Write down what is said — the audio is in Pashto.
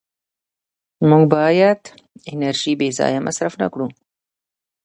موږ باید انرژي بېځایه مصرف نه کړو